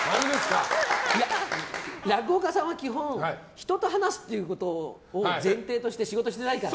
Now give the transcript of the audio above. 落語家さんは基本、人と話すことを前提として仕事をしていないから。